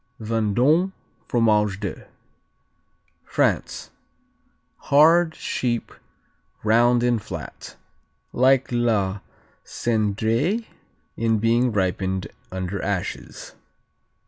Vendôme, Fromage de France Hard; sheep; round and flat; like la Cendrée in being ripened under ashes.